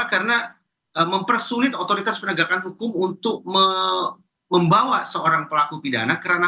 karena mempersulit otoritas penegakan hukum untuk membawa seorang pelaku pidana kerana